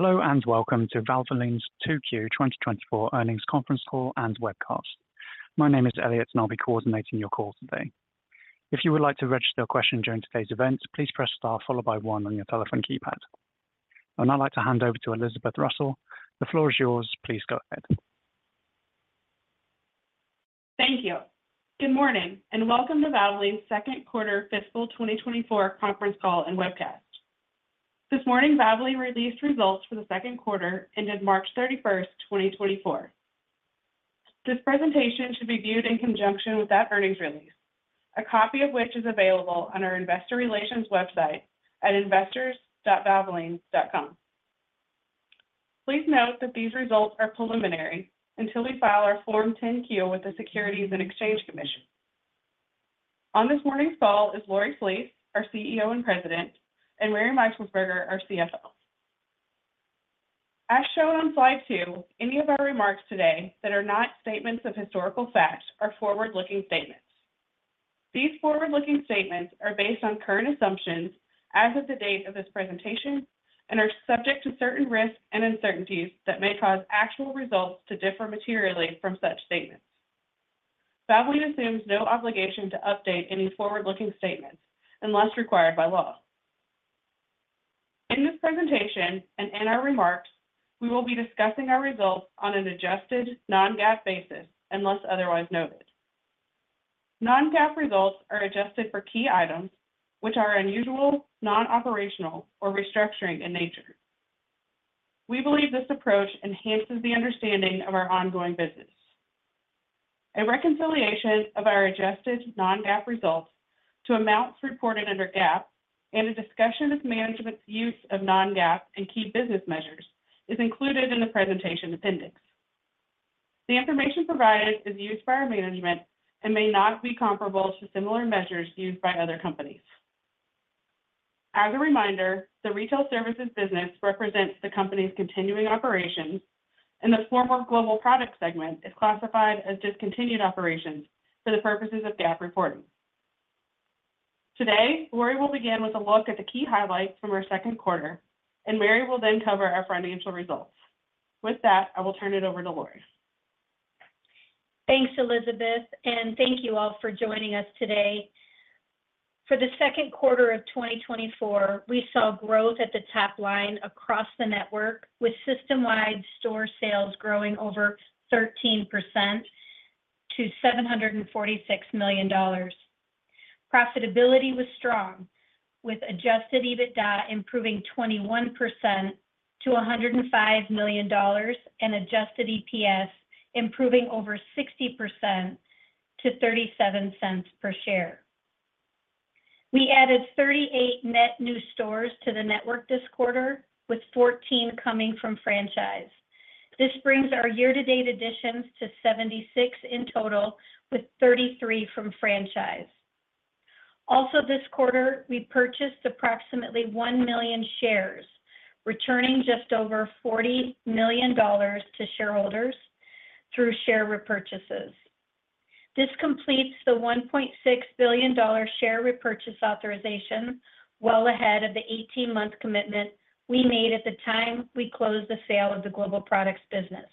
Hello and welcome to Valvoline's 2Q 2024 earnings conference call and webcast. My name is Elliot, and I'll be coordinating your call today. If you would like to register a question during today's event, please press star followed by one on your telephone keypad. I would now like to hand over to Elizabeth Russell. The floor is yours. Please go ahead. Thank you. Good morning and welcome to Valvoline's second quarter fiscal 2024 conference call and webcast. This morning, Valvoline released results for the second quarter ended March 31st, 2024. This presentation should be viewed in conjunction with that earnings release, a copy of which is available on our investor relations website at investors.valvoline.com. Please note that these results are preliminary until we file our Form 10-Q with the Securities and Exchange Commission. On this morning's call is Lori Flees, our CEO and President, and Mary Meixelsperger, our CFO. As shown on Slide two, any of our remarks today that are not statements of historical fact are forward-looking statements. These forward-looking statements are based on current assumptions as of the date of this presentation and are subject to certain risks and uncertainties that may cause actual results to differ materially from such statements. Valvoline assumes no obligation to update any forward-looking statements unless required by law. In this presentation and in our remarks, we will be discussing our results on an adjusted non-GAAP basis unless otherwise noted. Non-GAAP results are adjusted for key items which are unusual, non-operational, or restructuring in nature. We believe this approach enhances the understanding of our ongoing business. A reconciliation of our adjusted non-GAAP results to amounts reported under GAAP and a discussion of management's use of non-GAAP and key business measures is included in the presentation appendix. The information provided is used by our management and may not be comparable to similar measures used by other companies. As a reminder, the retail services business represents the company's continuing operations, and the former Global Products segment is classified as discontinued operations for the purposes of GAAP reporting. Today, Lori will begin with a look at the key highlights from our second quarter, and Mary will then cover our financial results. With that, I will turn it over to Lori. Thanks, Elizabeth, and thank you all for joining us today. For the second quarter of 2024, we saw growth at the top line across the network, with system-wide store sales growing over 13% to $746 million. Profitability was strong, with adjusted EBITDA improving 21% to $105 million and adjusted EPS improving over 60% to $0.37 per share. We added 38 net new stores to the network this quarter, with 14 coming from franchise. This brings our year-to-date additions to 76 in total, with 33 from franchise. Also, this quarter, we purchased approximately 1 million shares, returning just over $40 million to shareholders through share repurchases. This completes the $1.6 billion share repurchase authorization well ahead of the 18-month commitment we made at the time we closed the sale of the Global Products business.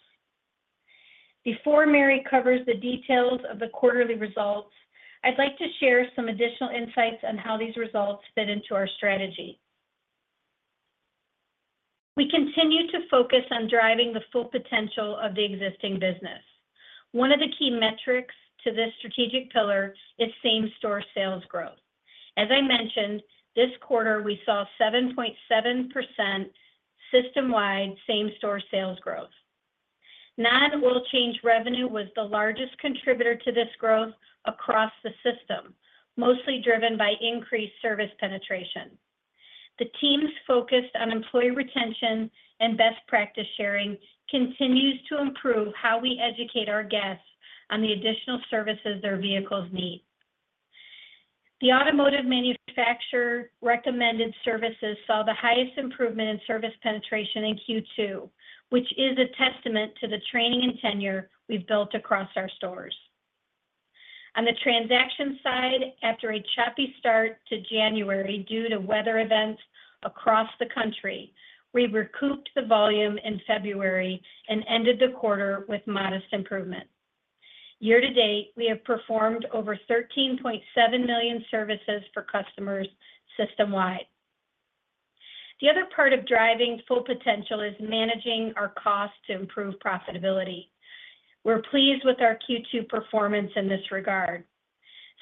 Before Mary covers the details of the quarterly results, I'd like to share some additional insights on how these results fit into our strategy. We continue to focus on driving the full potential of the existing business. One of the key metrics to this strategic pillar is same-store sales growth. As I mentioned, this quarter we saw 7.7% system-wide same-store sales growth. Non-oil change revenue was the largest contributor to this growth across the system, mostly driven by increased service penetration. The team's focus on employee retention and best practice sharing continues to improve how we educate our guests on the additional services their vehicles need. The automotive manufacturer-recommended services saw the highest improvement in service penetration in Q2, which is a testament to the training and tenure we've built across our stores. On the transaction side, after a choppy start to January due to weather events across the country, we recouped the volume in February and ended the quarter with modest improvement. Year to date, we have performed over 13.7 million services for customers system-wide. The other part of driving full potential is managing our costs to improve profitability. We're pleased with our Q2 performance in this regard.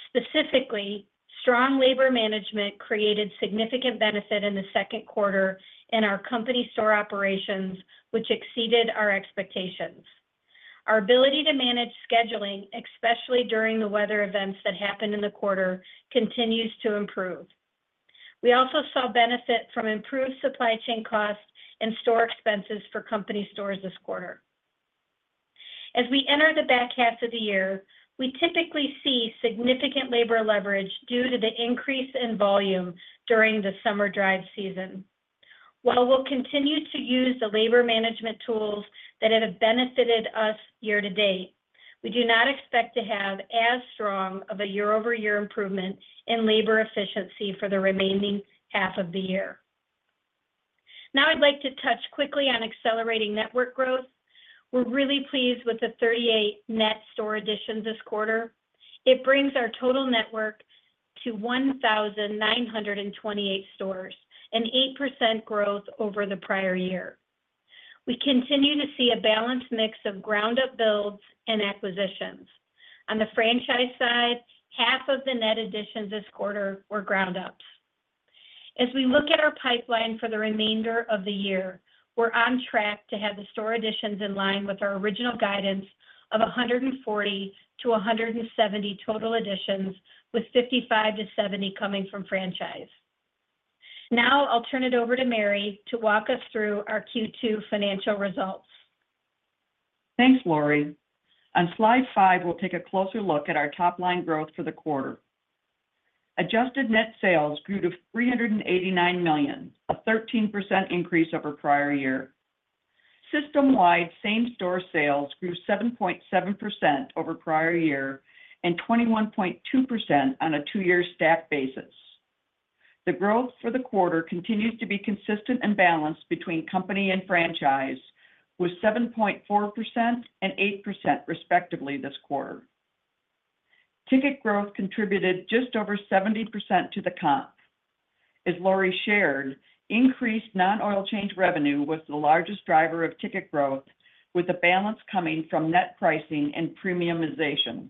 Specifically, strong labor management created significant benefit in the second quarter in our company store operations, which exceeded our expectations. Our ability to manage scheduling, especially during the weather events that happened in the quarter, continues to improve. We also saw benefit from improved supply chain costs and store expenses for company stores this quarter. As we enter the back half of the year, we typically see significant labor leverage due to the increase in volume during the summer drive season. While we'll continue to use the labor management tools that have benefited us year to date, we do not expect to have as strong of a year-over-year improvement in labor efficiency for the remaining half of the year. Now I'd like to touch quickly on accelerating network growth. We're really pleased with the 38 net store additions this quarter. It brings our total network to 1,928 stores, an 8% growth over the prior year. We continue to see a balanced mix of ground-up builds and acquisitions. On the franchise side, 1/2 of the net additions this quarter were ground-ups. As we look at our pipeline for the remainder of the year, we're on track to have the store additions in line with our original guidance of 140-170 total additions, with 55-70 coming from franchise. Now I'll turn it over to Mary to walk us through our Q2 financial results. Thanks, Lori. On Slide five, we'll take a closer look at our top line growth for the quarter. Adjusted net sales grew to $389 million, a 13% increase over prior year. System-wide same-store sales grew 7.7% over prior year and 21.2% on a two-year stack basis. The growth for the quarter continues to be consistent and balanced between company and franchise, with 7.4% and 8% respectively this quarter. Ticket growth contributed just over 70% to the comp. As Lori shared, increased non-oil change revenue was the largest driver of ticket growth, with the balance coming from net pricing and premiumization.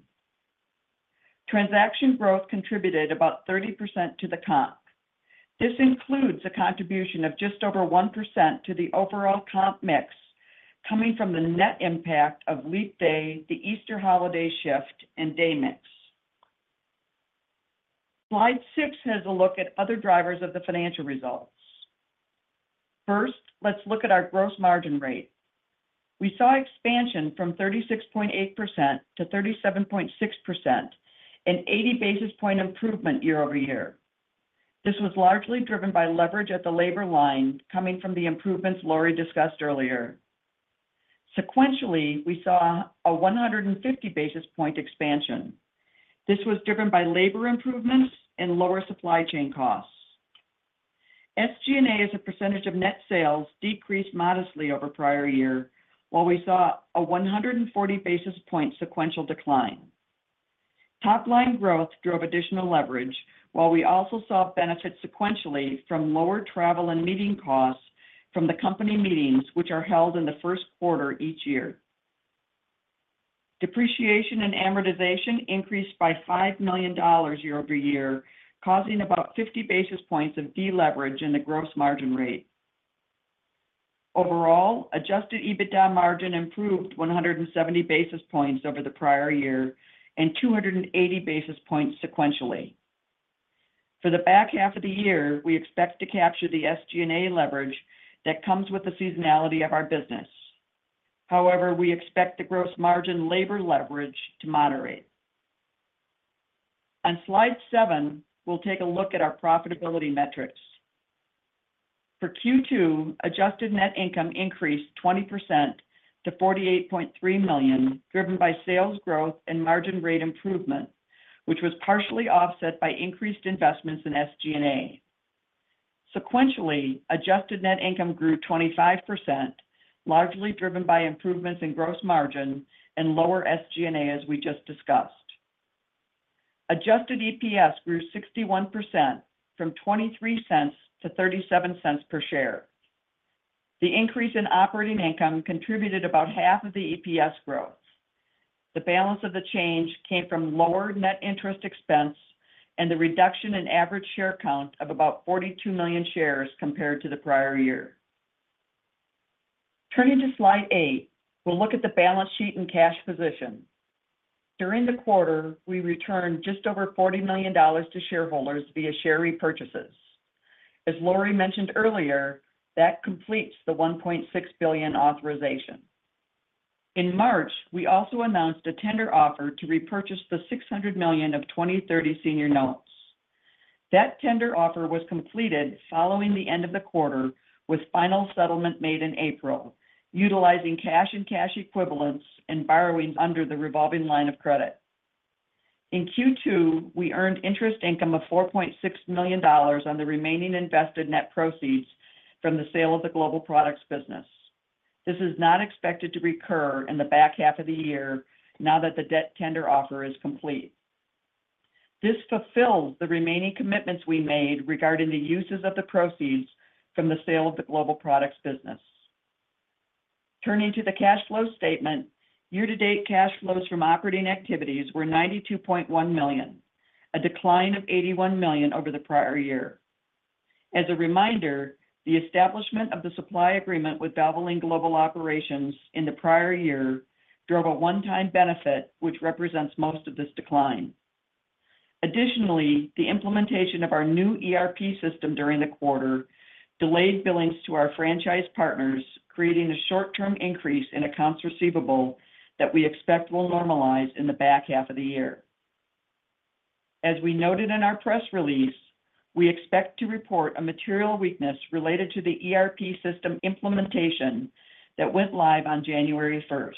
Transaction growth contributed about 30% to the comp. This includes a contribution of just over 1% to the overall comp mix, coming from the net impact of leap day, the Easter holiday shift, and day mix. Slide six has a look at other drivers of the financial results. First, let's look at our gross margin rate. We saw expansion from 36.8% to 37.6%, an 80 basis point improvement year-over-year. This was largely driven by leverage at the labor line coming from the improvements Lori discussed earlier. Sequentially, we saw a 150 basis point expansion. This was driven by labor improvements and lower supply chain costs. SG&A as a percentage of net sales decreased modestly over prior year, while we saw a 140 basis point sequential decline. Top line growth drove additional leverage, while we also saw benefits sequentially from lower travel and meeting costs from the company meetings, which are held in the first quarter each year. Depreciation and amortization increased by $5 million year-over-year, causing about 50 basis points of deleverage in the gross margin rate. Overall, adjusted EBITDA margin improved 170 basis points over the prior year and 280 basis points sequentially. For the back half of the year, we expect to capture the SG&A leverage that comes with the seasonality of our business. However, we expect the gross margin labor leverage to moderate. On Slide seven, we'll take a look at our profitability metrics. For Q2, adjusted net income increased 20% to $48.3 million, driven by sales growth and margin rate improvement, which was partially offset by increased investments in SG&A. Sequentially, adjusted net income grew 25%, largely driven by improvements in gross margin and lower SG&A as we just discussed. Adjusted EPS grew 61% from $0.23 to $0.37 per share. The increase in operating income contributed about 1/2 of the EPS growth. The balance of the change came from lower net interest expense and the reduction in average share count of about 42 million shares compared to the prior year. Turning to Slide eight, we'll look at the balance sheet and cash position. During the quarter, we returned just over $40 million to shareholders via share repurchases. As Lori mentioned earlier, that completes the $1.6 billion authorization. In March, we also announced a tender offer to repurchase the $600 million of 2030 senior notes. That tender offer was completed following the end of the quarter, with final settlement made in April, utilizing cash and cash equivalents and borrowings under the revolving line of credit. In Q2, we earned interest income of $4.6 million on the remaining invested net proceeds from the sale of the global products business. This is not expected to recur in the back half of the year now that the debt tender offer is complete. This fulfills the remaining commitments we made regarding the uses of the proceeds from the sale of the global products business. Turning to the cash flow statement, year-to-date cash flows from operating activities were $92.1 million, a decline of $81 million over the prior year. As a reminder, the establishment of the supply agreement with Valvoline Global Operations in the prior year drove a one-time benefit, which represents most of this decline. Additionally, the implementation of our new ERP system during the quarter delayed billings to our franchise partners, creating a short-term increase in accounts receivable that we expect will normalize in the back half of the year. As we noted in our press release, we expect to report a material weakness related to the ERP system implementation that went live on January 1st.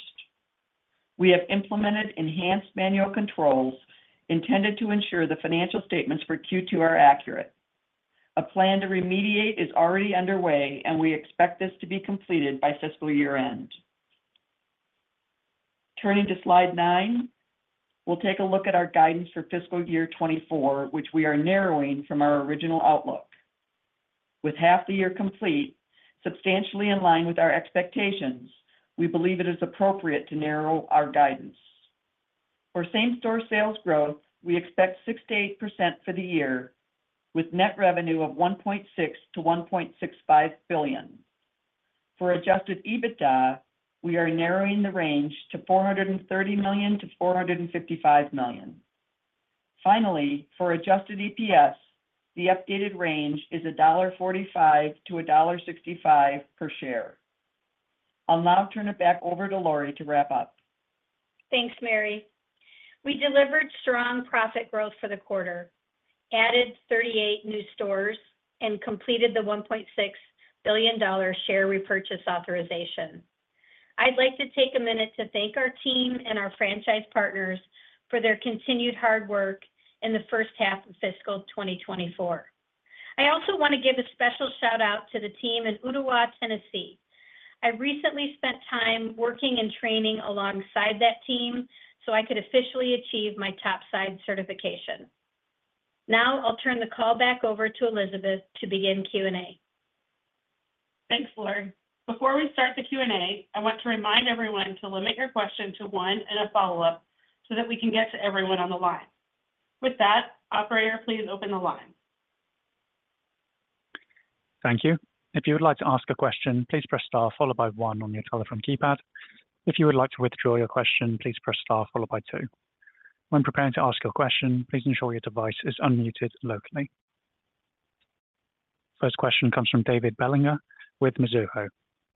We have implemented enhanced manual controls intended to ensure the financial statements for Q2 are accurate. A plan to remediate is already underway, and we expect this to be completed by fiscal year-end. Turning to Slide nine, we'll take a look at our guidance for fiscal year 2024, which we are narrowing from our original outlook. With half the year complete, substantially in line with our expectations, we believe it is appropriate to narrow our guidance. For same-store sales growth, we expect 6%-8% for the year, with net revenue of $1.6 billion-$1.65 billion. For adjusted EBITDA, we are narrowing the range to $430 million-$455 million. Finally, for adjusted EPS, the updated range is $1.45-$1.65 per share. I'll now turn it back over to Lori to wrap up. Thanks, Mary. We delivered strong profit growth for the quarter, added 38 new stores, and completed the $1.6 billion share repurchase authorization. I'd like to take a minute to thank our team and our franchise partners for their continued hard work in the first half of fiscal 2024. I also want to give a special shout-out to the team in Ooltewah, Tennessee. I recently spent time working and training alongside that team so I could officially achieve my Topside certification. Now I'll turn the call back over to Elizabeth to begin Q&A. Thanks, Lori. Before we start the Q&A, I want to remind everyone to limit your question to one and a follow-up so that we can get to everyone on the line. With that, operator, please open the line. Thank you. If you would like to ask a question, please press star followed by one on your telephone keypad. If you would like to withdraw your question, please press star followed by two. When preparing to ask your question, please ensure your device is unmuted locally. First question comes from David Bellinger with Mizuho.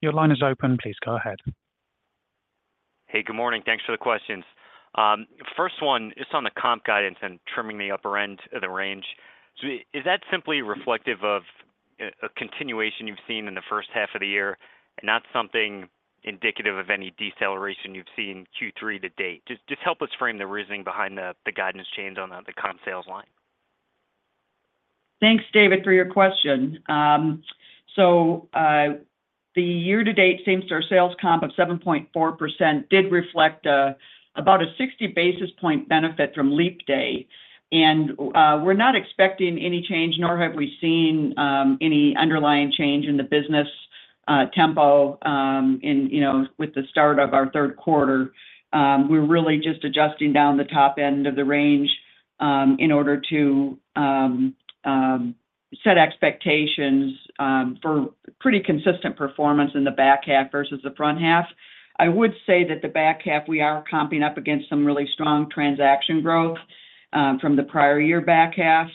Your line is open. Please go ahead. Hey, good morning. Thanks for the questions. First one, it's on the comp guidance and trimming the upper end of the range. So is that simply reflective of a continuation you've seen in the first half of the year and not something indicative of any deceleration you've seen Q3 to date? Just help us frame the reasoning behind the guidance change on the comp sales line. Thanks, David, for your question. So the year-to-date same-store sales comp of 7.4% did reflect about a 60 basis point benefit from leap day. And we're not expecting any change, nor have we seen any underlying change in the business tempo with the start of our third quarter. We're really just adjusting down the top end of the range in order to set expectations for pretty consistent performance in the back half versus the front half. I would say that the back half, we are comping up against some really strong transaction growth from the prior year back half.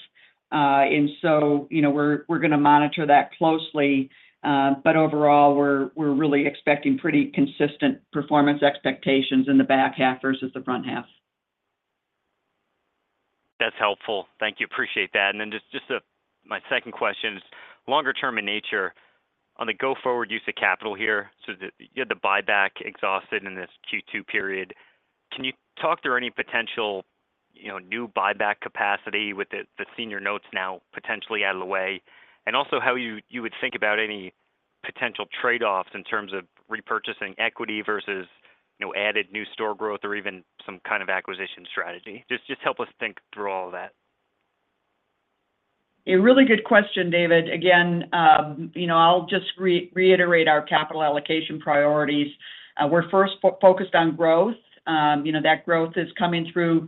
And so we're going to monitor that closely. But overall, we're really expecting pretty consistent performance expectations in the back half versus the front half. That's helpful. Thank you. Appreciate that. Then just my second question is longer-term in nature. On the go-forward use of capital here, so you had the buyback exhausted in this Q2 period. Can you talk through any potential new buyback capacity with the senior notes now potentially out of the way? And also how you would think about any potential trade-offs in terms of repurchasing equity versus added new store growth or even some kind of acquisition strategy? Just help us think through all of that. A really good question, David. Again, I'll just reiterate our capital allocation priorities. We're first focused on growth. That growth is coming through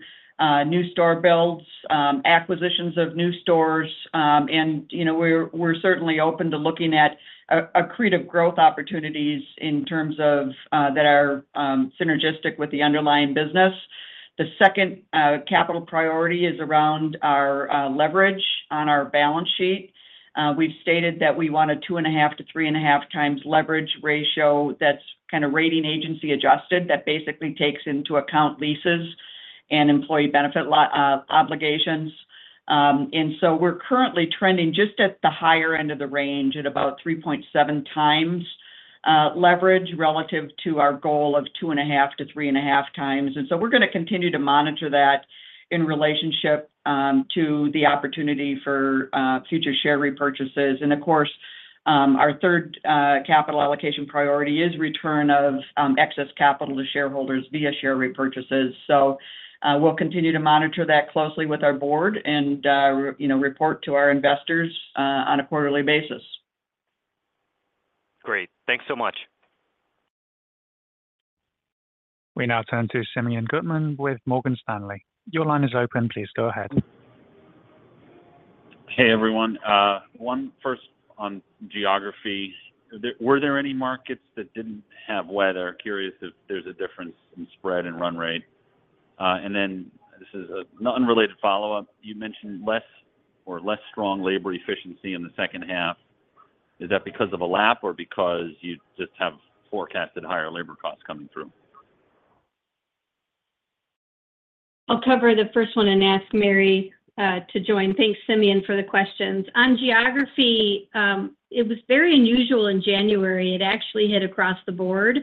new store builds, acquisitions of new stores. And we're certainly open to looking at accretive growth opportunities in terms of that are synergistic with the underlying business. The second capital priority is around our leverage on our balance sheet. We've stated that we want a 2.5x-3.5x leverage ratio that's kind of rating agency adjusted that basically takes into account leases and employee benefit obligations. And so we're currently trending just at the higher end of the range at about 3.7x leverage relative to our goal of 2.5x-3.5x. And so we're going to continue to monitor that in relationship to the opportunity for future share repurchases. Of course, our third capital allocation priority is return of excess capital to shareholders via share repurchases. We'll continue to monitor that closely with our board and report to our investors on a quarterly basis. Great. Thanks so much. We now turn to Simeon Gutman with Morgan Stanley. Your line is open. Please go ahead. Hey, everyone. First on geography. Were there any markets that didn't have weather? Curious if there's a difference in spread and run rate. And then this is an unrelated follow-up. You mentioned less or less strong labor efficiency in the second half. Is that because of a lap or because you just have forecasted higher labor costs coming through? I'll cover the first one and ask Mary to join. Thanks, Simeon, for the questions. On geography, it was very unusual in January. It actually hit across the board,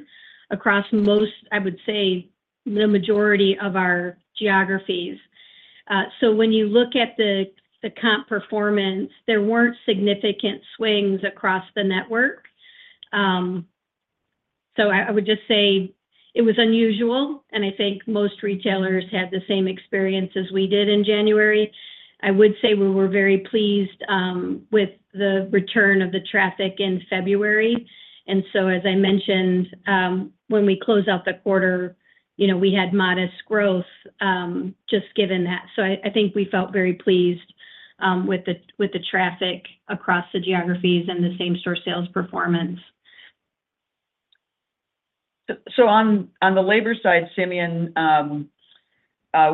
across most, I would say, the majority of our geographies. So when you look at the comp performance, there weren't significant swings across the network. So I would just say it was unusual, and I think most retailers had the same experience as we did in January. I would say we were very pleased with the return of the traffic in February. And so as I mentioned, when we close out the quarter, we had modest growth just given that. So I think we felt very pleased with the traffic across the geographies and the same-store sales performance. So on the labor side, Simeon,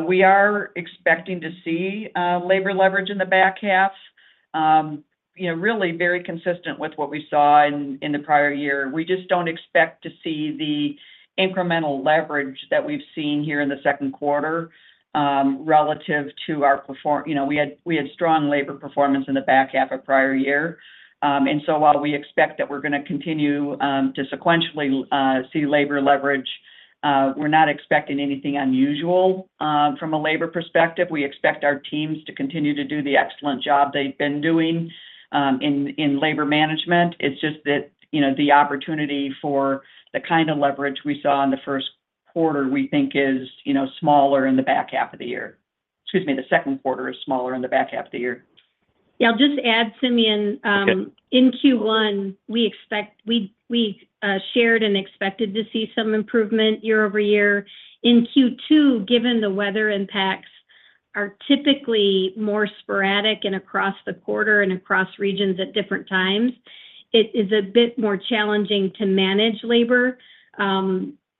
we are expecting to see labor leverage in the back half, really very consistent with what we saw in the prior year. We just don't expect to see the incremental leverage that we've seen here in the second quarter relative to what we had strong labor performance in the back half of prior year. And so while we expect that we're going to continue to sequentially see labor leverage, we're not expecting anything unusual from a labor perspective. We expect our teams to continue to do the excellent job they've been doing in labor management. It's just that the opportunity for the kind of leverage we saw in the first quarter, we think, is smaller in the back half of the year. Excuse me, the second quarter is smaller in the back half of the year. Yeah. I'll just add, Simeon, in Q1, we shared and expected to see some improvement year-over-year. In Q2, given the weather impacts are typically more sporadic and across the quarter and across regions at different times, it is a bit more challenging to manage labor.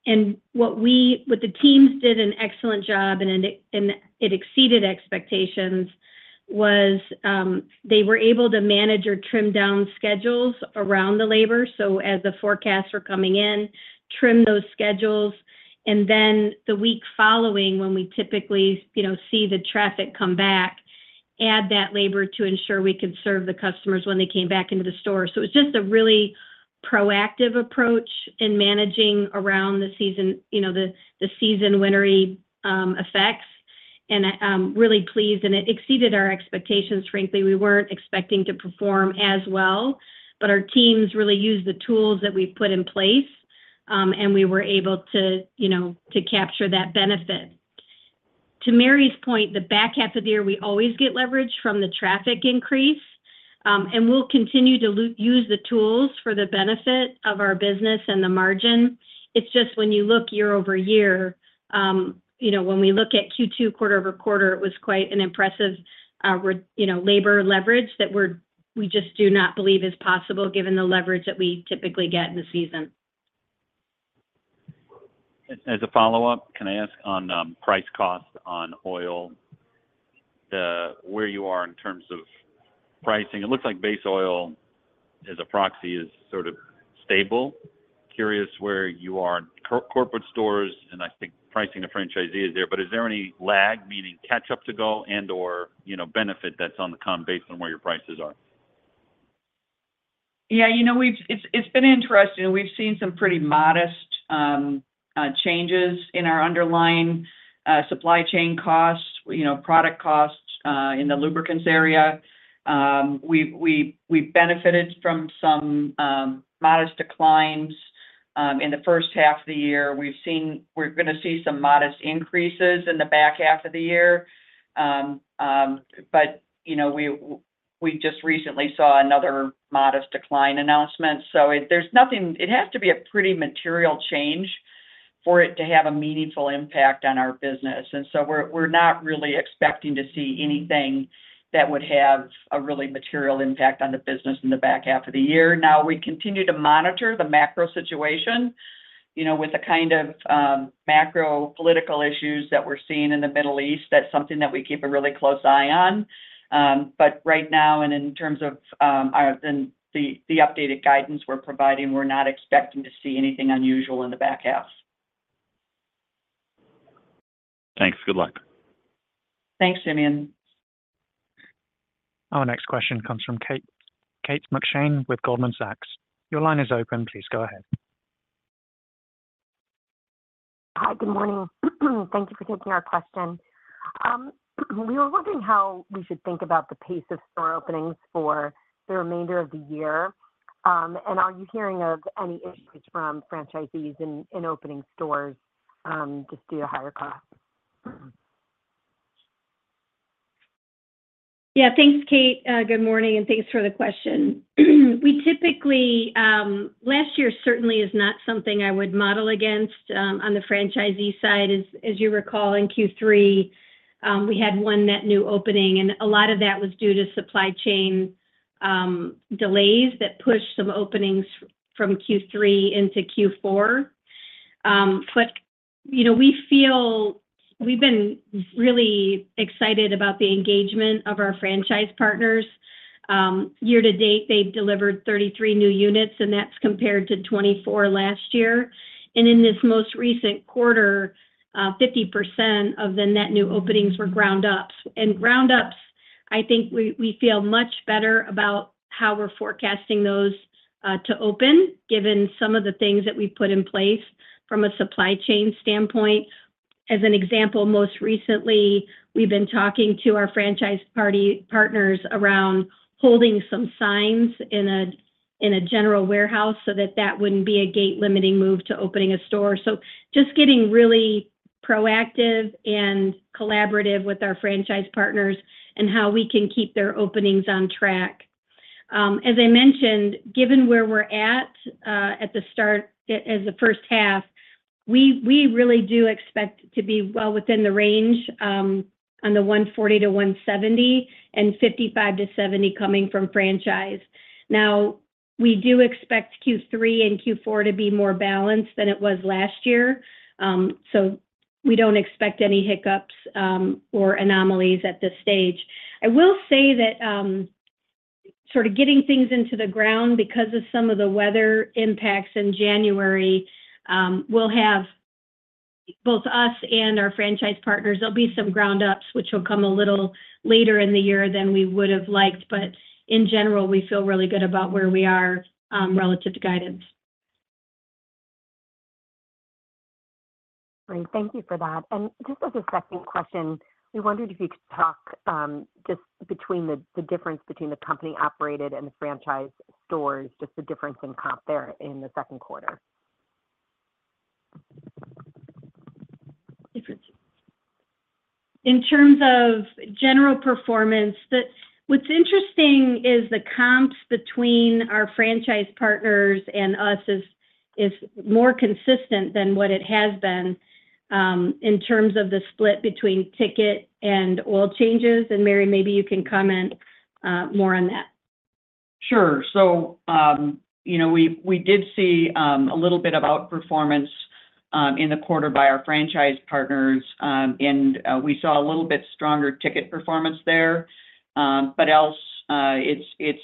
And what the teams did an excellent job, and it exceeded expectations, was they were able to manage or trim down schedules around the labor. So as the forecasts were coming in, trim those schedules. And then the week following, when we typically see the traffic come back, add that labor to ensure we could serve the customers when they came back into the store. So it was just a really proactive approach in managing around the season, the season-wintery effects. And I'm really pleased, and it exceeded our expectations, frankly. We weren't expecting to perform as well. But our teams really used the tools that we've put in place, and we were able to capture that benefit. To Mary's point, the back half of the year, we always get leverage from the traffic increase. And we'll continue to use the tools for the benefit of our business and the margin. It's just when you look year-over-year, when we look at Q2 quarter-over-quarter, it was quite an impressive labor leverage that we just do not believe is possible given the leverage that we typically get in the season. As a follow-up, can I ask on price cost on oil, where you are in terms of pricing? It looks like base oil as a proxy is sort of stable. Curious where you are in corporate stores, and I think pricing to franchisee is there. But is there any lag, meaning catch-up to go and/or benefit that's on the come based on where your prices are? Yeah. It's been interesting. We've seen some pretty modest changes in our underlying supply chain costs, product costs in the lubricants area. We've benefited from some modest declines in the first half of the year. We're going to see some modest increases in the back half of the year. But we just recently saw another modest decline announcement. So it has to be a pretty material change for it to have a meaningful impact on our business. And so we're not really expecting to see anything that would have a really material impact on the business in the back half of the year. Now, we continue to monitor the macro situation with the kind of macro-political issues that we're seeing in the Middle East. That's something that we keep a really close eye on. Right now, and in terms of the updated guidance we're providing, we're not expecting to see anything unusual in the back half. Thanks. Good luck. Thanks, Simeon. Our next question comes from Kate McShane with Goldman Sachs. Your line is open. Please go ahead. Hi. Good morning. Thank you for taking our question. We were wondering how we should think about the pace of store openings for the remainder of the year. Are you hearing of any issues from franchisees in opening stores just due to higher costs? Yeah. Thanks, Kate. Good morning. And thanks for the question. Last year certainly is not something I would model against on the franchisee side. As you recall, in Q3, we had one net new opening. And a lot of that was due to supply chain delays that pushed some openings from Q3 into Q4. But we feel we've been really excited about the engagement of our franchise partners. Year to date, they've delivered 33 new units, and that's compared to 24 last year. And in this most recent quarter, 50% of the net new openings were groundups. And groundups, I think we feel much better about how we're forecasting those to open given some of the things that we put in place from a supply chain standpoint. As an example, most recently, we've been talking to our franchise partners around holding some signs in a general warehouse so that that wouldn't be a gate-limiting move to opening a store. So just getting really proactive and collaborative with our franchise partners and how we can keep their openings on track. As I mentioned, given where we're at at the start as the first half, we really do expect to be well within the range on the 140-170 and 55-70 coming from franchise. Now, we do expect Q3 and Q4 to be more balanced than it was last year. So we don't expect any hiccups or anomalies at this stage. I will say that sort of getting things into the ground because of some of the weather impacts in January will have both us and our franchise partners. There'll be some groundups, which will come a little later in the year than we would have liked. But in general, we feel really good about where we are relative to guidance. Great. Thank you for that. And just as a second question, we wondered if you could talk just between the difference between the company-operated and the franchise stores, just the difference in comp there in the second quarter? In terms of general performance, what's interesting is the comps between our franchise partners and us is more consistent than what it has been in terms of the split between ticket and oil changes. Mary, maybe you can comment more on that. Sure. So we did see a little bit of outperformance in the quarter by our franchise partners. And we saw a little bit stronger ticket performance there. But else, it's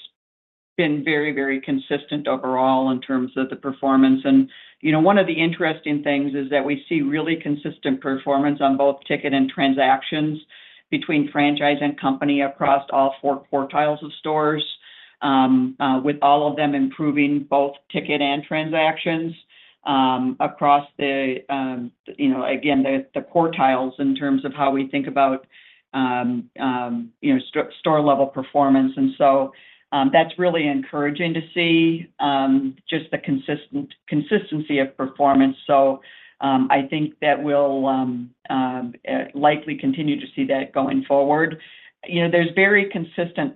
been very, very consistent overall in terms of the performance. And one of the interesting things is that we see really consistent performance on both ticket and transactions between franchise and company across all four quartiles of stores, with all of them improving both ticket and transactions across the, again, the quartiles in terms of how we think about store-level performance. And so that's really encouraging to see just the consistency of performance. So I think that we'll likely continue to see that going forward. There's very consistent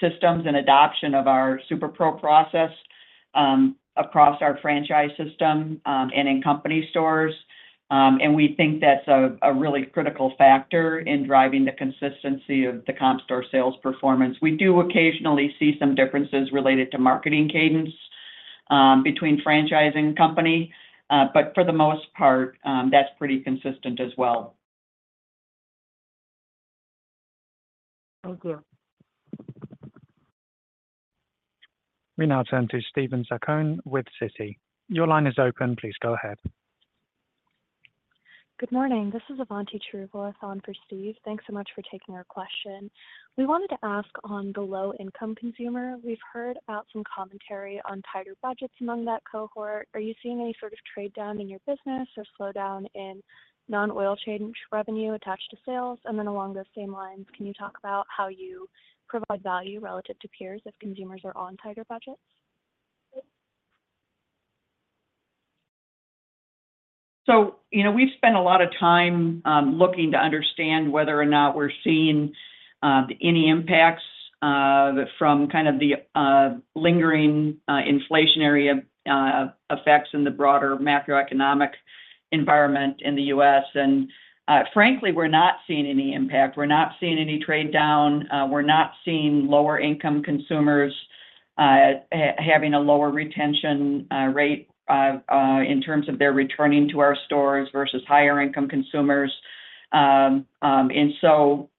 systems and adoption of our SuperPro process across our franchise system and in company stores. We think that's a really critical factor in driving the consistency of the comp store sales performance. We do occasionally see some differences related to marketing cadence between franchise and company. For the most part, that's pretty consistent as well. Thank you. We now turn to Stephen Zacone with Citi. Your line is open. Please go ahead. Good morning. This is Avanti Cheruvallath for Steve. Thanks so much for taking our question. We wanted to ask on the low-income consumer. We've heard about some commentary on tighter budgets among that cohort. Are you seeing any sort of trade-down in your business or slowdown in non-oil change revenue attached to sales? And then along those same lines, can you talk about how you provide value relative to peers if consumers are on tighter budgets? So we've spent a lot of time looking to understand whether or not we're seeing any impacts from kind of the lingering inflationary effects in the broader macroeconomic environment in the U.S. And frankly, we're not seeing any impact. We're not seeing any trade-down. We're not seeing lower-income consumers having a lower retention rate in terms of their returning to our stores versus higher-income consumers. And so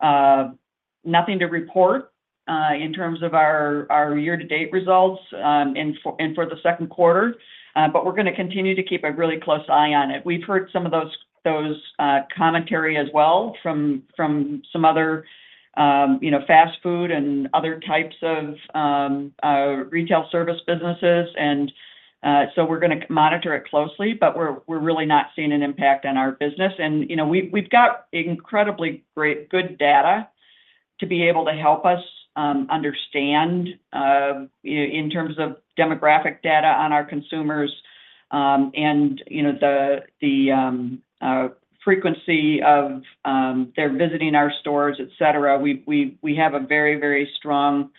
nothing to report in terms of our year-to-date results and for the second quarter. But we're going to continue to keep a really close eye on it. We've heard some of those commentary as well from some other fast food and other types of retail service businesses. And so we're going to monitor it closely. But we're really not seeing an impact on our business. We've got incredibly good data to be able to help us understand in terms of demographic data on our consumers and the frequency of their visiting our stores, etc. We have very, very strong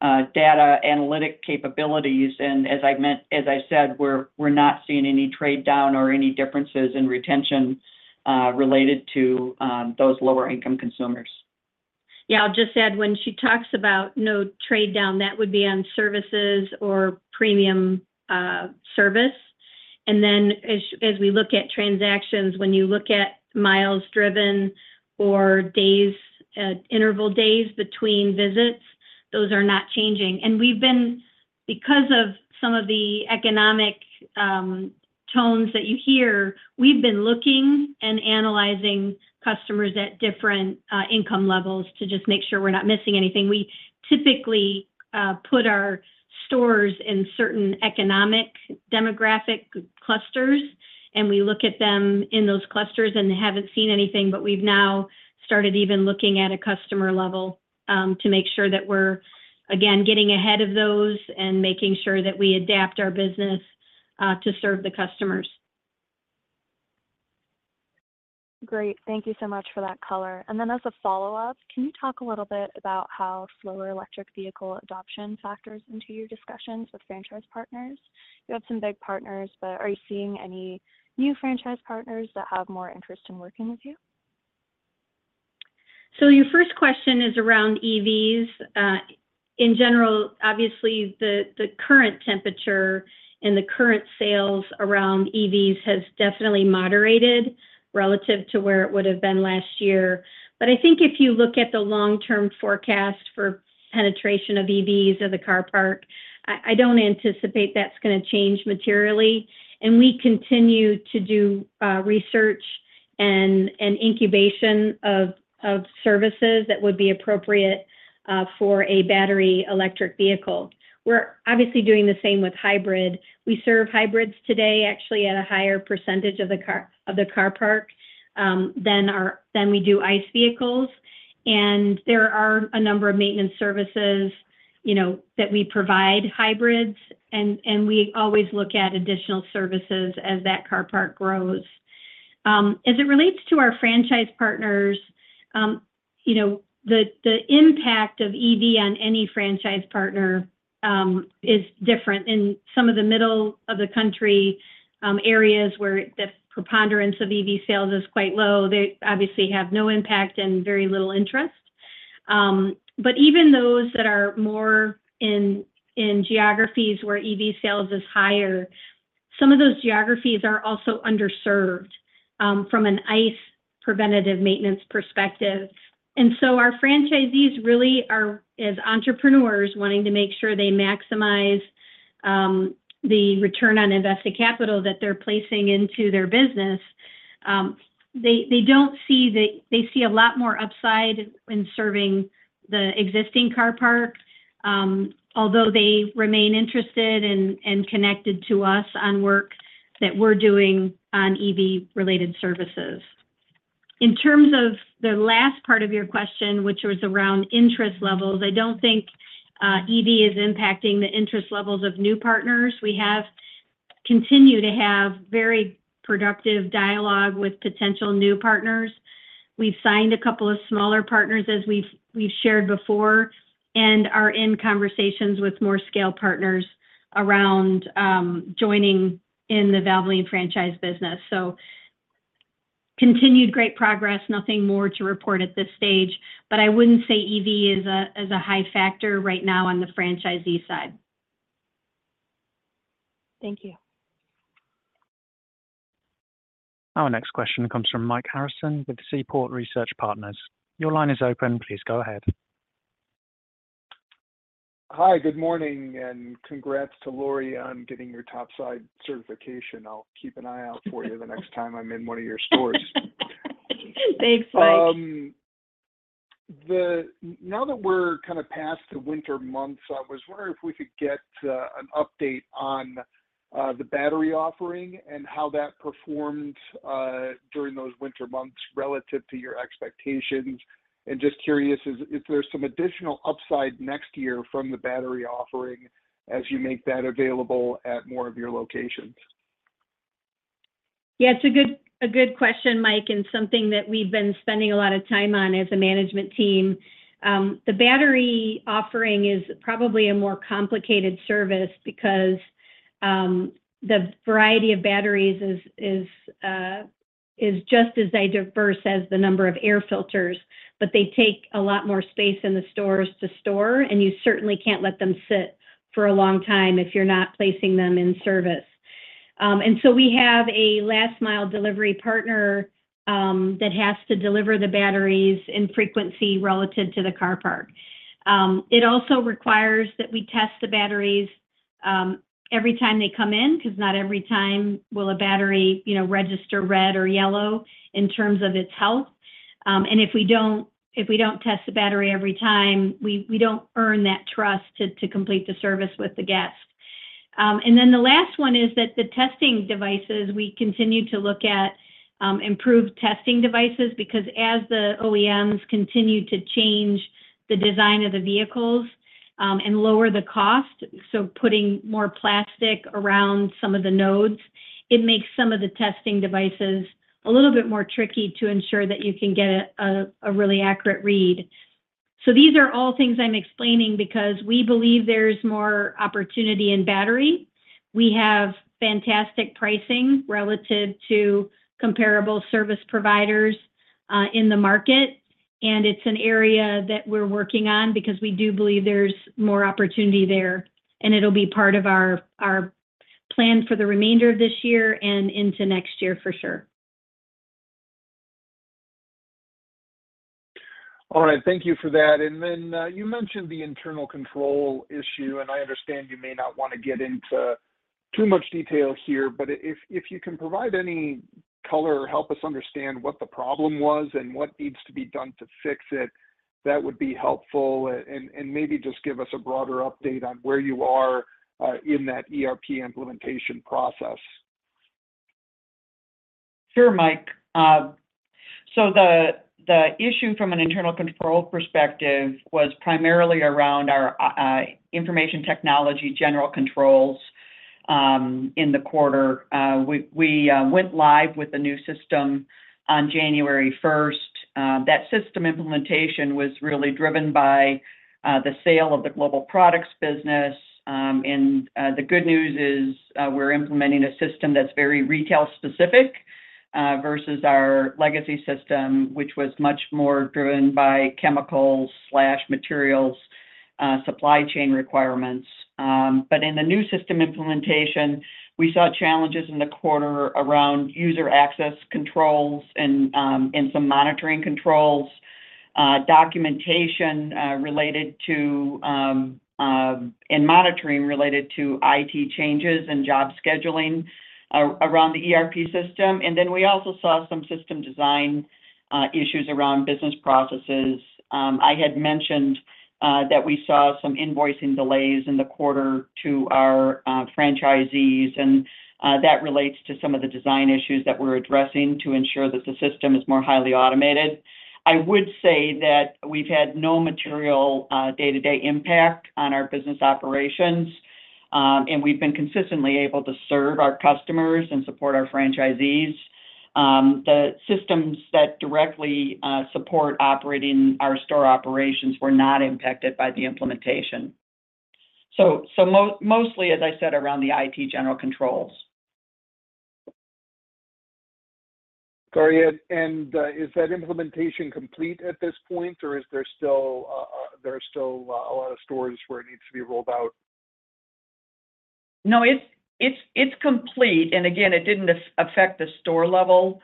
data analytic capabilities. As I said, we're not seeing any trade-down or any differences in retention related to those lower-income consumers. Yeah. I'll just add when she talks about no trade-down, that would be on services or premium service. And then as we look at transactions, when you look at miles driven or interval days between visits, those are not changing. And because of some of the economic tones that you hear, we've been looking and analyzing customers at different income levels to just make sure we're not missing anything. We typically put our stores in certain economic demographic clusters, and we look at them in those clusters and haven't seen anything. But we've now started even looking at a customer level to make sure that we're, again, getting ahead of those and making sure that we adapt our business to serve the customers. Great. Thank you so much for that color. And then as a follow-up, can you talk a little bit about how slower electric vehicle adoption factors into your discussions with franchise partners? You have some big partners, but are you seeing any new franchise partners that have more interest in working with you? So your first question is around EVs. In general, obviously, the current temperature and the current sales around EVs has definitely moderated relative to where it would have been last year. But I think if you look at the long-term forecast for penetration of EVs of the car park, I don't anticipate that's going to change materially. And we continue to do research and incubation of services that would be appropriate for a battery electric vehicle. We're obviously doing the same with hybrid. We serve hybrids today, actually, at a higher percentage of the car park than we do ice vehicles. And there are a number of maintenance services that we provide hybrids. And we always look at additional services as that car park grows. As it relates to our franchise partners, the impact of EV on any franchise partner is different. In some of the middle of the country areas where the preponderance of EV sales is quite low, they obviously have no impact and very little interest. But even those that are more in geographies where EV sales is higher, some of those geographies are also underserved from an ICE preventative maintenance perspective. And so our franchisees really are as entrepreneurs wanting to make sure they maximize the return on invested capital that they're placing into their business. They don't see that they see a lot more upside in serving the existing car park, although they remain interested and connected to us on work that we're doing on EV-related services. In terms of the last part of your question, which was around interest levels, I don't think EV is impacting the interest levels of new partners. We continue to have very productive dialogue with potential new partners. We've signed a couple of smaller partners, as we've shared before, and are in conversations with more scale partners around joining in the Valvoline franchise business. So continued great progress. Nothing more to report at this stage. But I wouldn't say EV is a high factor right now on the franchisee side. Thank you. Our next question comes from Mike Harrison with Seaport Research Partners. Your line is open. Please go ahead. Hi. Good morning. Congrats to Lori on getting your top-side certification. I'll keep an eye out for you the next time I'm in one of your stores. Thanks, Mike. Now that we're kind of past the winter months, I was wondering if we could get an update on the battery offering and how that performed during those winter months relative to your expectations. Just curious, is there some additional upside next year from the battery offering as you make that available at more of your locations? Yeah. It's a good question, Mike. Something that we've been spending a lot of time on as a management team, the battery offering is probably a more complicated service because the variety of batteries is just as diverse as the number of air filters. But they take a lot more space in the stores to store. You certainly can't let them sit for a long time if you're not placing them in service. So we have a last-mile delivery partner that has to deliver the batteries in frequency relative to the car park. It also requires that we test the batteries every time they come in because not every time will a battery register red or yellow in terms of its health. If we don't test the battery every time, we don't earn that trust to complete the service with the guest. And then the last one is that the testing devices. We continue to look at improved testing devices because as the OEMs continue to change the design of the vehicles and lower the cost, so putting more plastic around some of the nodes, it makes some of the testing devices a little bit more tricky to ensure that you can get a really accurate read. So these are all things I'm explaining because we believe there's more opportunity in battery. We have fantastic pricing relative to comparable service providers in the market. And it's an area that we're working on because we do believe there's more opportunity there. And it'll be part of our plan for the remainder of this year and into next year for sure. All right. Thank you for that. And then you mentioned the internal control issue. And I understand you may not want to get into too much detail here. But if you can provide any color or help us understand what the problem was and what needs to be done to fix it, that would be helpful. And maybe just give us a broader update on where you are in that ERP implementation process. Sure, Mike. So the issue from an internal control perspective was primarily around our information technology general controls in the quarter. We went live with the new system on January 1st. That system implementation was really driven by the sale of the global products business. And the good news is we're implementing a system that's very retail-specific versus our legacy system, which was much more driven by chemicals/materials supply chain requirements. But in the new system implementation, we saw challenges in the quarter around user access controls and some monitoring controls, documentation related to and monitoring related to IT changes and job scheduling around the ERP system. And then we also saw some system design issues around business processes. I had mentioned that we saw some invoicing delays in the quarter to our franchisees. That relates to some of the design issues that we're addressing to ensure that the system is more highly automated. I would say that we've had no material day-to-day impact on our business operations. We've been consistently able to serve our customers and support our franchisees. The systems that directly support operating our store operations were not impacted by the implementation. Mostly, as I said, around the IT general controls. Got it. Is that implementation complete at this point, or is there still a lot of stores where it needs to be rolled out? No. It's complete. Again, it didn't affect the store-level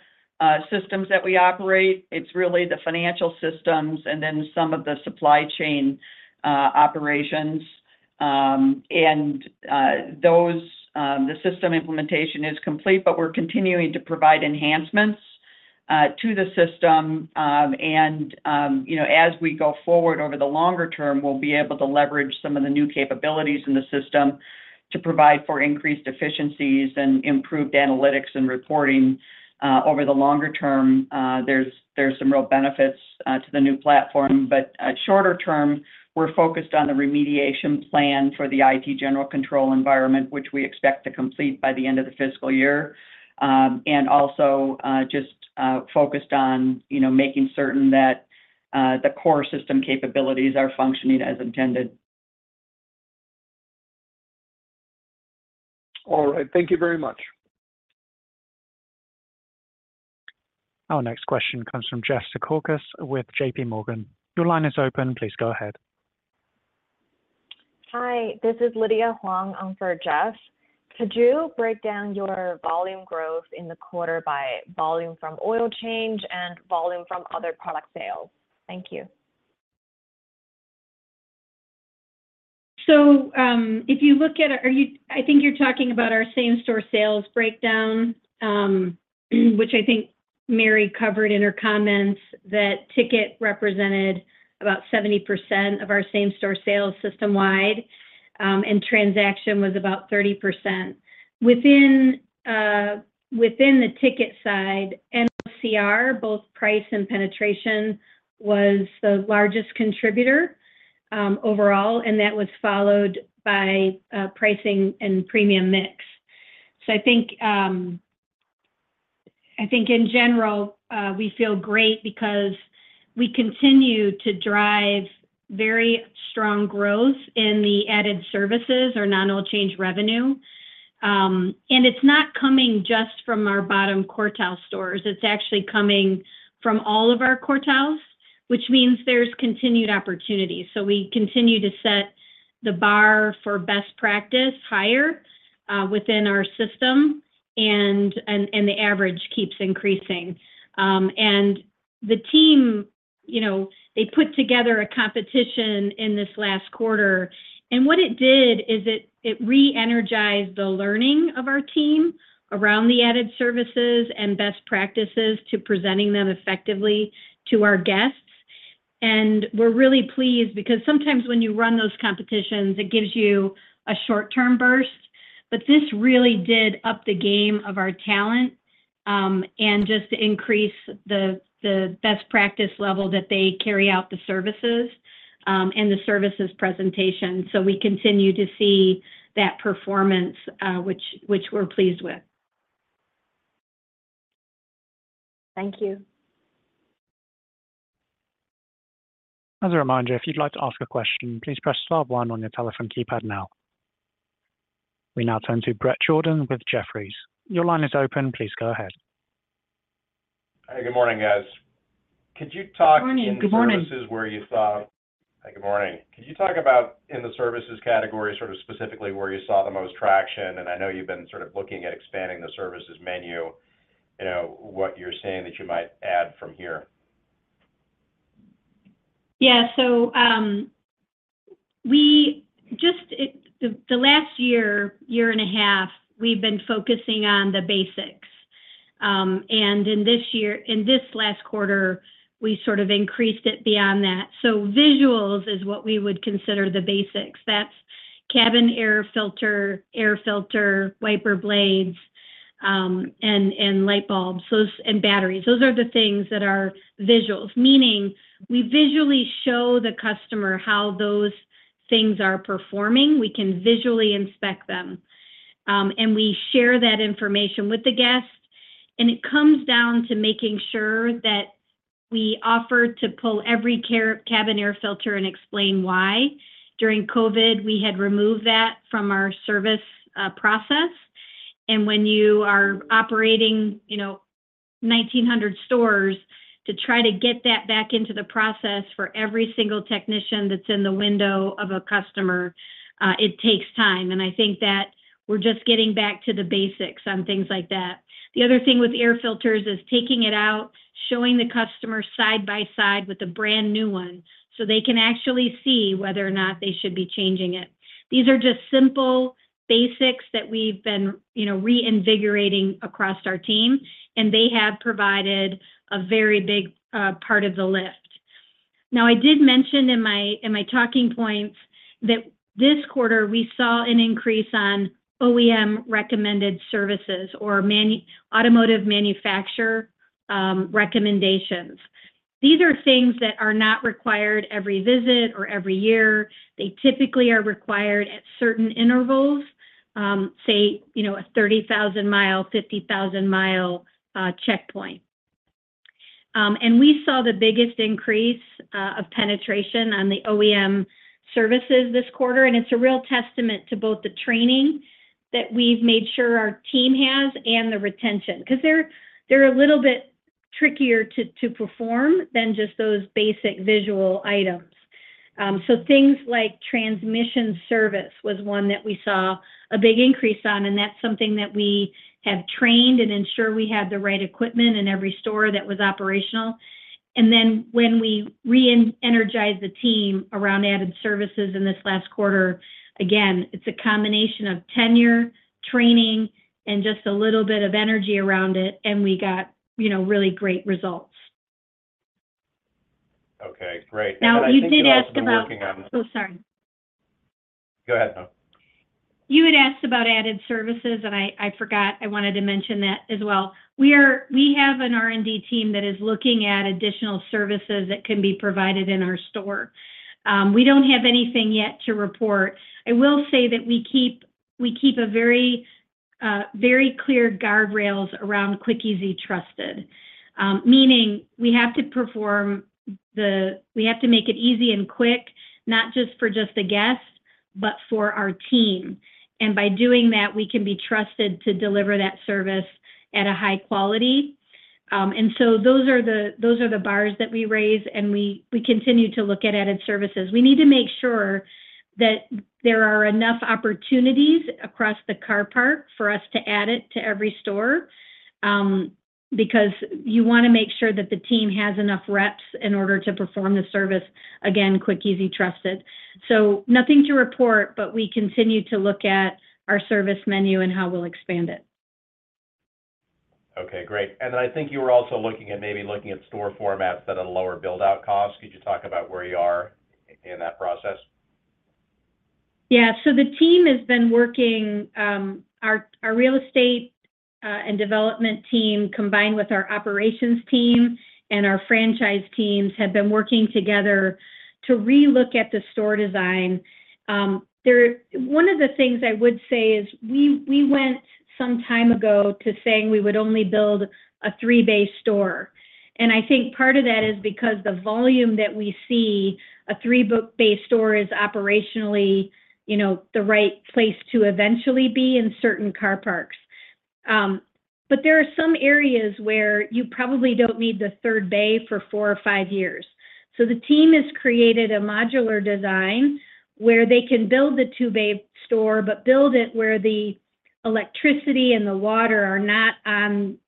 systems that we operate. It's really the financial systems and then some of the supply chain operations. The system implementation is complete, but we're continuing to provide enhancements to the system. As we go forward over the longer term, we'll be able to leverage some of the new capabilities in the system to provide for increased efficiencies and improved analytics and reporting over the longer term. There's some real benefits to the new platform. But shorter term, we're focused on the remediation plan for the IT general control environment, which we expect to complete by the end of the fiscal year. Also just focused on making certain that the core system capabilities are functioning as intended. All right. Thank you very much. Our next question comes from Jessica Kourakos with JP Morgan. Your line is open. Please go ahead. Hi. This is Lydia Huang for Jess. Could you break down your volume growth in the quarter by volume from oil change and volume from other product sales? Thank you. So if you look at, I think you're talking about our same-store sales breakdown, which I think Mary covered in her comments, that ticket represented about 70% of our same-store sales system-wide, and transaction was about 30%. Within the ticket side, NOCR, both price and penetration, was the largest contributor overall. That was followed by pricing and premium mix. So I think, in general, we feel great because we continue to drive very strong growth in the added services or non-oil change revenue. It's not coming just from our bottom quartile stores. It's actually coming from all of our quartiles, which means there's continued opportunity. So we continue to set the bar for best practice higher within our system. The average keeps increasing. The team, they put together a competition in this last quarter. What it did is it re-energized the learning of our team around the added services and best practices to presenting them effectively to our guests. We're really pleased because sometimes when you run those competitions, it gives you a short-term burst. This really did up the game of our talent and just increase the best practice level that they carry out the services and the services presentation. We continue to see that performance, which we're pleased with. Thank you. As a reminder, if you'd like to ask a question, please press star one on your telephone keypad now. We now turn to Brett Jordan with Jefferies. Your line is open. Please go ahead. Hi. Good morning, guys. Could you talk in services where you saw? Good morning. Hi. Good morning. Could you talk about, in the services category, sort of specifically where you saw the most traction? I know you've been sort of looking at expanding the services menu. What you're seeing that you might add from here? Yeah. So the last year, year and a half, we've been focusing on the basics. And in this last quarter, we sort of increased it beyond that. So visuals is what we would consider the basics. That's cabin air filter, air filter, wiper blades, and light bulbs and batteries. Those are the things that are visuals, meaning we visually show the customer how those things are performing. We can visually inspect them. And we share that information with the guest. And it comes down to making sure that we offer to pull every cabin air filter and explain why. During COVID, we had removed that from our service process. And when you are operating 1,900 stores to try to get that back into the process for every single technician that's in the window of a customer, it takes time. I think that we're just getting back to the basics on things like that. The other thing with air filters is taking it out, showing the customer side by side with a brand new one so they can actually see whether or not they should be changing it. These are just simple basics that we've been reinvigorating across our team. They have provided a very big part of the lift. Now, I did mention in my talking points that this quarter, we saw an increase on OEM-recommended services or automotive manufacturer recommendations. These are things that are not required every visit or every year. They typically are required at certain intervals, say a 30,000-mile, 50,000-mile checkpoint. We saw the biggest increase of penetration on the OEM services this quarter. It's a real testament to both the training that we've made sure our team has and the retention because they're a little bit trickier to perform than just those basic visual items. So things like transmission service was one that we saw a big increase on. That's something that we have trained and ensure we have the right equipment in every store that was operational. Then when we re-energized the team around added services in this last quarter, again, it's a combination of tenure, training, and just a little bit of energy around it. We got really great results. Okay. Great. Now, I think we were working on. Now, you did ask about oh, sorry. Go ahead, though. You had asked about added services. I forgot. I wanted to mention that as well. We have an R&D team that is looking at additional services that can be provided in our store. We don't have anything yet to report. I will say that we keep a very clear guardrails around quick, easy, trusted, meaning we have to make it easy and quick, not just for the guest, but for our team. By doing that, we can be trusted to deliver that service at a high quality. So those are the bars that we raise. We continue to look at added services. We need to make sure that there are enough opportunities across the car park for us to add it to every store because you want to make sure that the team has enough reps in order to perform the service, again, quick, easy, trusted. So nothing to report, but we continue to look at our service menu and how we'll expand it. Okay. Great. And then I think you were also maybe looking at store formats that had a lower build-out cost. Could you talk about where you are in that process? Yeah. So the team has been working our real estate and development team combined with our operations team and our franchise teams have been working together to relook at the store design. One of the things I would say is we went some time ago to saying we would only build a 3-bay store. And I think part of that is because the volume that we see, a 3-bay store is operationally the right place to eventually be in certain car parks. But there are some areas where you probably don't need the third bay for four or five years. So the team has created a modular design where they can build the 2-bay store but build it where the electricity and the water are not on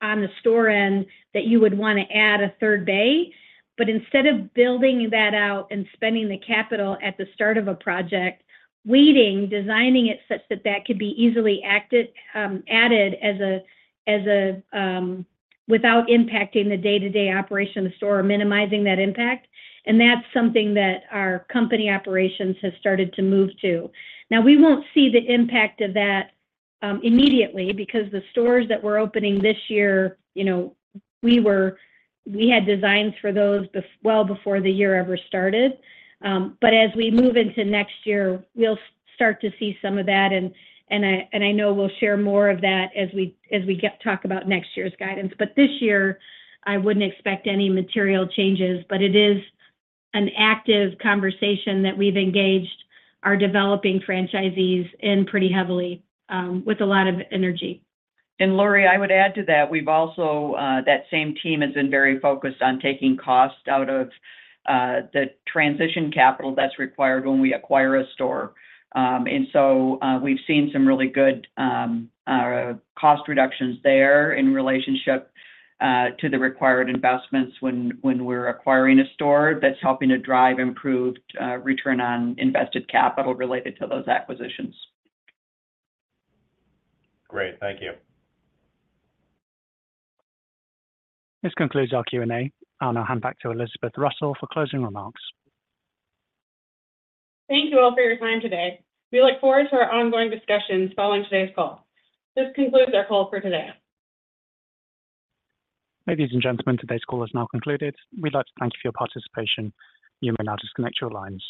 the store end that you would want to add a third bay. But instead of building that out and spending the capital at the start of a project, weighting, designing it such that that could be easily added without impacting the day-to-day operation of the store or minimizing that impact. And that's something that our company operations has started to move to. Now, we won't see the impact of that immediately because the stores that we're opening this year, we had designs for those well before the year ever started. But as we move into next year, we'll start to see some of that. And I know we'll share more of that as we talk about next year's guidance. But this year, I wouldn't expect any material changes. But it is an active conversation that we've engaged our developing franchisees in pretty heavily with a lot of energy. Lori, I would add to that. That same team has been very focused on taking cost out of the transition capital that's required when we acquire a store. And so we've seen some really good cost reductions there in relationship to the required investments when we're acquiring a store that's helping to drive improved return on invested capital related to those acquisitions. Great. Thank you. This concludes our Q&A. I'll now hand back to Elizabeth Russell for closing remarks. Thank you all for your time today. We look forward to our ongoing discussions following today's call. This concludes our call for today. Ladies and gentlemen, today's call has now concluded. We'd like to thank you for your participation. You may now disconnect your lines.